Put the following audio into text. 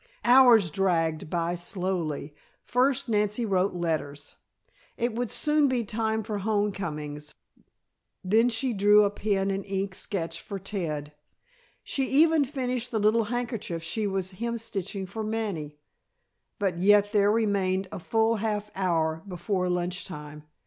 Hours dragged by slowly. First Nancy wrote letters it would soon be time for homecomings then she drew a pen and ink sketch for Ted. She even finished the little handkerchief she was hemstitching for Manny, but yet there remained a full half hour before lunch time.